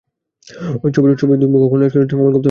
ছবির দুই মুখ্য খলনায়ক চরিত্রে ছিলেন অমল গুপ্ত এবং অনুপম খের।